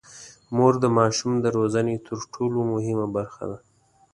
مور د ماشوم د روزنې تر ټولو مهمه برخه ده.